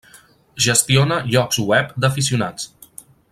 Gestiona llocs web d'aficionats.